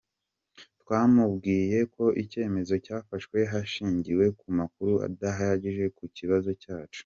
Twamubwiye ko icyemezo cyafashwe hashingiwe ku makuru adahagije ku kibazo cyacu.